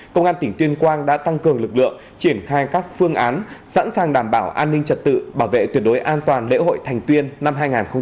công an tỉnh tuyên quang đã tăng cường lực lượng triển khai các phương án sẵn sàng đảm bảo an ninh trật tự bảo vệ tuyệt đối an toàn lễ hội thành tuyên năm hai nghìn hai mươi